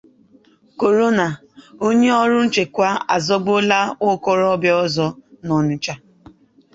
Korona: Onye Ọrụ Nchekwa Asụgbuola Nwokorobịa Ozo n'Ọnịtsha